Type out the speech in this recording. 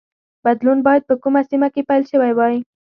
بدلون باید په کومه سیمه کې پیل شوی وای.